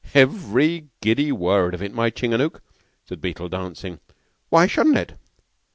"Every giddy word of it, my Chingangook," said Beetle, dancing. "Why shouldn't it?